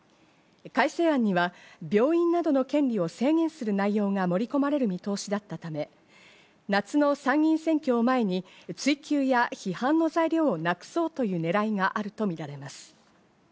改正案には病院などの権利を制限する内容が盛り込まれる見通しだったため、夏の参議院選挙を前に追及や批判の材料をなくそうというねらいがあるとみられます。